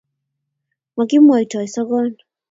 Makimwoitoi sogon.